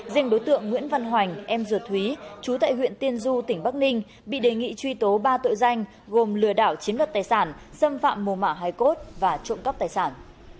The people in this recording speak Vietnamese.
dình đối tượng nguyễn văn hoành em duột thúy chú tại huyện tiên du tỉnh bắc ninh bị đề nghị truy tố ba tội danh gồm lừa đảo chiến đoạt tài sản xâm phạm bồ mạ hai cốt và trộm cắp tài sản